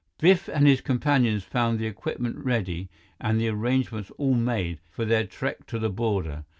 Biff and his companions found the equipment ready and the arrangements all made for their trek to the border.